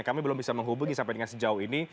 kami belum bisa menghubungi sampai dengan sejauh ini